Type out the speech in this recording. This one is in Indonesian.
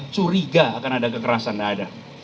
curiga akan ada kekerasan tidak ada